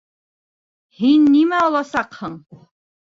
Һин нимә аласаҡһың?